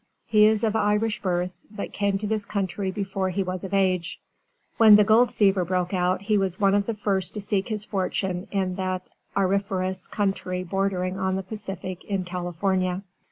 He is of Irish birth, but came to this country before he was of age. When the gold fever broke out he was one of the first to seek his fortune in that auriferous country bordering on the Pacific, in California.